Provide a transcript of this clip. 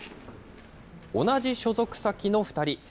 同じ所属先の２人。